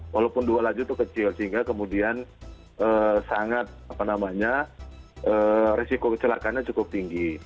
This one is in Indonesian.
walaupun dua laju itu kecil sehingga kemudian sangat apa namanya resiko kecelakaannya cukup tinggi